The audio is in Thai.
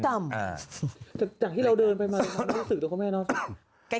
จากที่เราเดินไปมามันรู้สึกตัวของแม่น้องสิ